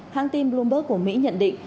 hãng tin bloomberg của mỹ nhận định